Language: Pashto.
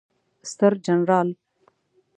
ستر جنرال